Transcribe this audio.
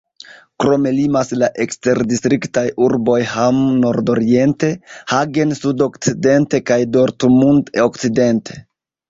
Krome limas la eksterdistriktaj urboj Hamm nordoriente, Hagen sudokcidente kaj Dortmund okcidente.